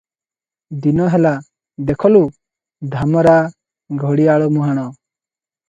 ଦିନ ହେଲା, ଦେଖଲୁଁ, ଧାମରା ଘଡ଼ିଆଳ ମୁହାଣ ।